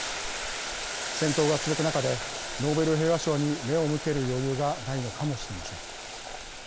戦闘が続く中でノーベル平和賞に目を向ける余裕がないのかもしれません。